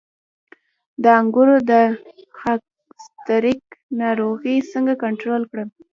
د انګورو د خاکسترک ناروغي څنګه کنټرول کړم؟